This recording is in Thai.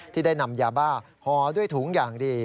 ที่ได้นำยาบ้าห่อด้วยถุงอย่างดี